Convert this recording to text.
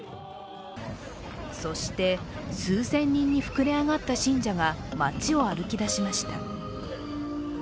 そして数千人に膨れ上がった信者が街を歩き出しました。